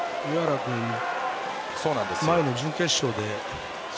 前の準決勝で。